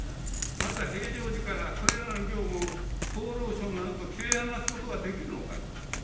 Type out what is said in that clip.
また、平常時からこれらの業務を厚労省などと切り離すことができるのか。